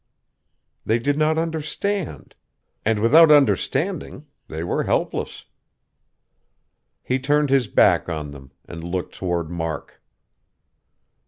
They did not understand; and without understanding, they were helpless. He turned his back on them, and looked toward Mark.